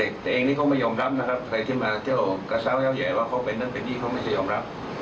เด็กตัวเองนี้เขาไม่ยอมรับนะครับใครที่มาเจ้ากระเช้าเยอะแยะว่าเขาเป็นเรื่องเป็นที่เขาไม่ยอมรับ